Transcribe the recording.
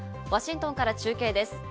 ワシントンから中継です。